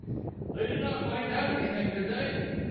"They did not find out anything, did they?"